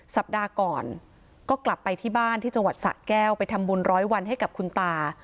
สัปดาห์ก่อนก็กลับไปที่บ้านที่จังหวัดสะแก้วไปทำบุญร้อยวันให้กับคุณตา